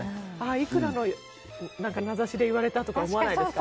いくらの名指しで言われたとか思わないですか。